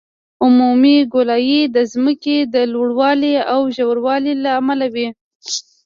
عمودي ګولایي د ځمکې د لوړوالي او ژوروالي له امله وي